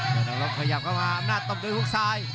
ยอดอังโลกขยับเข้ามาอำนาจตบด้วยฮุกซ้าย